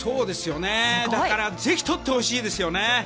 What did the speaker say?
だからぜひとってほしいですよね。